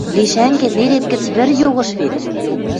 Лешӓнгӹ нерет гӹц вӹр йогыш вет...